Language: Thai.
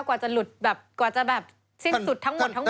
กว่าจะหลุดแบบสิ้นสุดทั้งหมดทั้งมวล